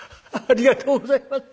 「ありがとうございます！